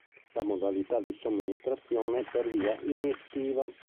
La modalità di somministrazione è per via iniettiva.